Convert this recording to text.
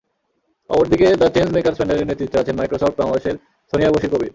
অপরদিকে the change makers প্যানেলের নেতৃত্বে আছেন মাইক্রোসফট বাংলাদেশের সোনিয়া বশির কবির।